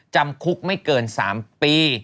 จำคุกไม่เกิน๓ปี